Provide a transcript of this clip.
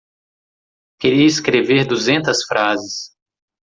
Queria escrever duzentas frases.